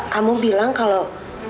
kamu bilang kalau